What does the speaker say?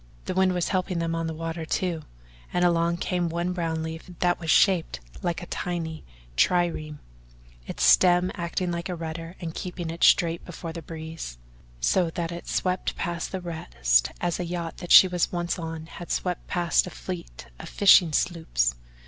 The wind was helping them on the water, too, and along came one brown leaf that was shaped like a tiny trireme its stem acting like a rudder and keeping it straight before the breeze so that it swept past the rest as a yacht that she was once on had swept past a fleet of fishing sloops.